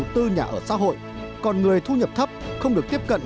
tư nhà ở xã hội còn người thu nhập thấp không được tiếp cận